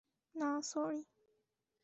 না, সরি।